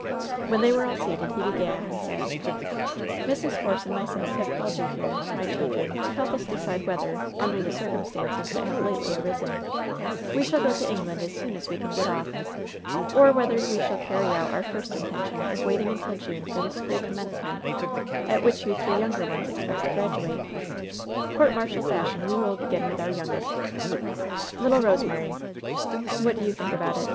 When they were all seated he began, and said : "Mrs. Force and myself have called you here, my children,"^ to help us to decide whether, under the circum stances that have lately arisen, we shall go to England as soon as we can get off, or whether we shall carry out our first intention of waiting until June for the school commencement at which you three younger ones expect to graduate. Court martial fashion, we will begin with our youngest. Little Rosemary, what do you think about it